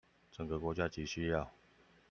整個國家極需要